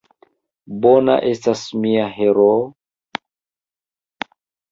Bona estas mia heroo?